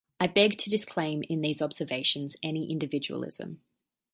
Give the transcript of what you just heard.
I beg to disclaim, in these observations, any individualism.